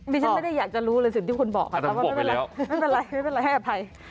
ไม่ใช่ว่าไม่ได้อยากจะรู้เลยสิ่งที่คุณบอกไม่เป็นไรให้อภัย